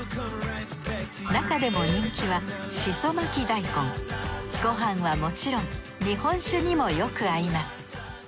なかでも人気はご飯はもちろん日本酒にもよく合います。